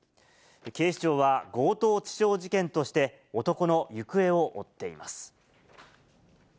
警視庁は強盗致傷事件として、男の行方を追っています。